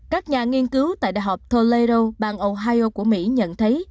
các nhà nghiên cứu tại đại học tolero bang ohio của mỹ nhận thấy